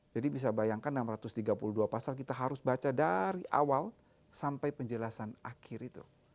jadi bisa bayangkan enam ratus tiga puluh dua pasal kita harus baca dari awal sampai penjelasan akhir itu